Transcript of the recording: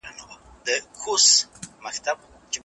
د څېړنې لپاره باید نوي او غوره لاري ولټول سي.